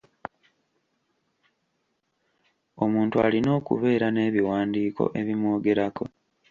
Omuntu alina okubeera n'ebiwandiiko ebimwogerako.